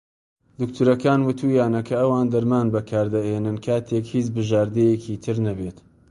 دکتۆرەکان وتوویانە کە ئەوان دەرمان بەکار دەهێنن کاتێک "هیچ بژاردەیەکی تر نەبێت".